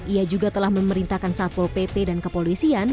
ia juga telah memerintahkan satpol pp dan kepolisian